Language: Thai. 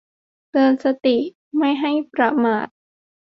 เตือนสติไม่ให้ประมาท